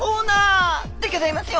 でギョざいますよ！